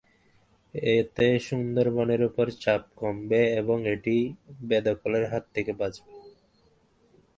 এতে সুন্দরবনের ওপর চাপ কমবে এবং এটি বেদখলের হাত থেকে বাঁচবে।